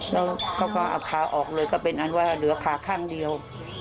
แล้วเขาก็เอาขาออกเลยก็เป็นอันว่าเหลือขาข้างเดียว